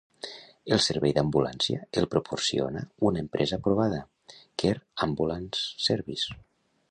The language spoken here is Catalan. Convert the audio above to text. El servei d'ambulància el proporciona una empresa provada, Care Ambulance Service.